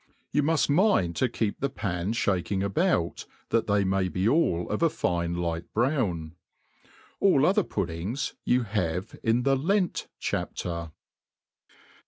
You muft mind to keep the pan ihaking about, that they may be all of a fine light brown. All other puddings you have in the Lent chapter.